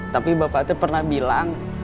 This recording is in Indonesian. tapi bapak itu pernah bilang